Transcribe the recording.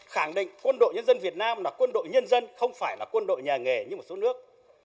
khẳng định quân đội nhân dân việt nam là quân đội nhân dân không phải là quân đội nhà nghề như một số nước